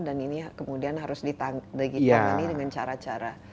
dan ini kemudian harus ditangani dengan cara cara